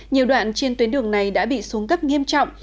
nhiều đoạn trên tuyến đường này đã bị xuống cấp nghiêm trọng